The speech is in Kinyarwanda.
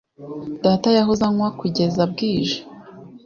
Data yahoze anywa kugeza bwije.